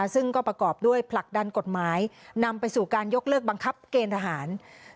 ซึ่งก็ประกอบด้วยผลักดันกฎหมายนำไปสู่การยกเลิกบังคับเกณฑหาร